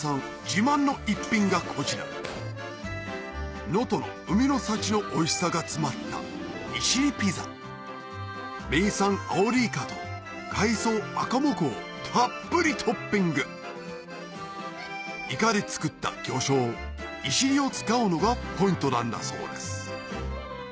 自慢の一品がこちら能登の海の幸のおいしさが詰まった名産アオリイカと海藻アカモクをたっぷりトッピングイカで作った魚醤いしりを使うのがポイントなんだそうです